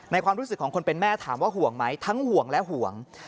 ความรู้สึกของคนเป็นแม่ถามว่าห่วงไหมทั้งห่วงและห่วง